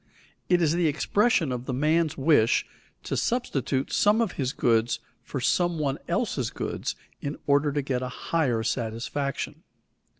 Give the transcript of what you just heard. _ It is the expression of the man's wish to substitute some of his goods for some one else's goods in order to get a higher satisfaction.